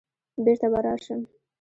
بېرته به راشم